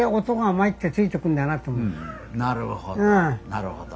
なるほど。